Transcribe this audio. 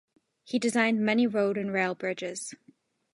He designed many road and rail bridges.